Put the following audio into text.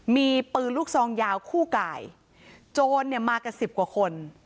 มีปืนลูกซองยาวคู่กายโจรเนี่ยมากันสิบกว่าคน